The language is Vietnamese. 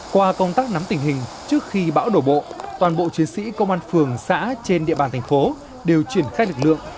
qua công tác nắm tình hình trước khi bão đổ bộ toàn bộ chiến sĩ công an phường xã trên địa bàn thành phố đều triển khai lực lượng